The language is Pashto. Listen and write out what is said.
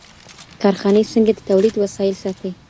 کارخانې څنګه د تولید وسایل ساتي؟